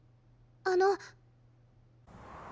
あの。